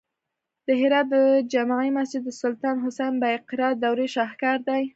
د هرات د جمعې مسجد د سلطان حسین بایقرا دورې شاهکار دی